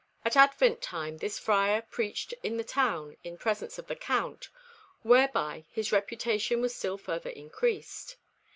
At Advent time this Friar preached in the town in presence of the Count, whereby his reputation was still further increased.